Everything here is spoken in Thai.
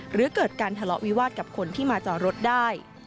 หรือเกิดการทะเลาะวิวาสกับคนที่มาจอรถได้